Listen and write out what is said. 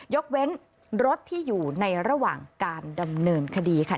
ยกเว้นรถที่อยู่ในระหว่างการดำเนินคดีค่ะ